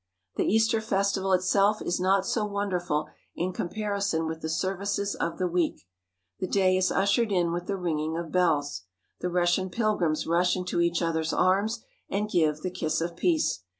The Easter festival itself is not so wonderful in com parison with the services of the week. The day is ush ered in with the ringing of bells. The Russian pilgrims rush into each other's arms and give the "kiss of peace."